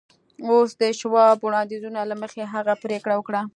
اوس د شواب د وړاندیزونو له مخې هغه پرېکړه وکړه